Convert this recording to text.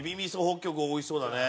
北極おいしそうだね。